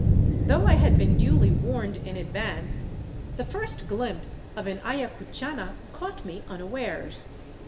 Though I had been duly warned in advance, the first glimpse of an ayacuchana caught me unawares.